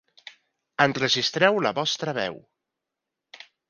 Enregistreu la vostra veu.